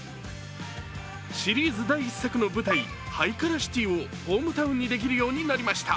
シリーズ第１作の舞台、ハイカラシティをホームタウンにできるようになりました。